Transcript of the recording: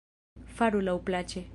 Faru laŭplaĉe!